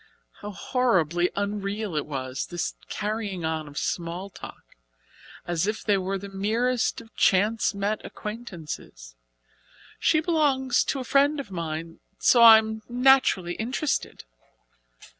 How horribly unreal it was this carrying on of small talk, as if they were the merest of chance met acquaintances! "She belongs to a friend of mine, so I am naturally interested."